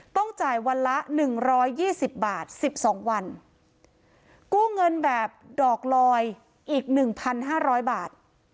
ต้องจ่ายวันละหนึ่งร้อยยี่สิบบาทสิบสองวันกู้เงินแบบดอกลอยอีกหนึ่งพันห้าร้อยบาท